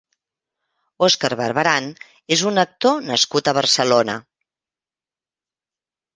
Óscar Barberán és un actor nascut a Barcelona.